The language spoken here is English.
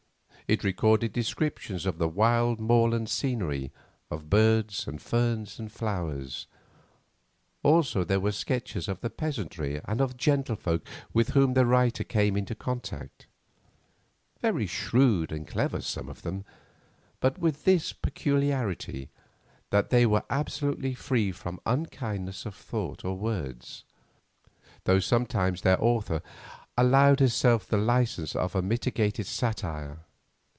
It recorded descriptions of the wild moorland scenery, of birds, and ferns, and flowers. Also there were sketches of the peasantry and of the gentlefolk with whom the writer came in contact; very shrewd and clever, some of them, but with this peculiarity—that they were absolutely free from unkindness of thought or words, though sometimes their author allowed herself the license of a mitigated satire.